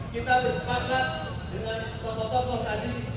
kita bersepakat dengan tokoh tokoh tadi